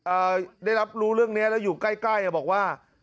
เอ่อได้รับรู้เรื่องนี้แล้วอยู่ใกล้อะบอกว่า